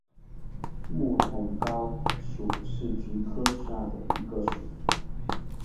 木筒篙属是菊科下的一个属。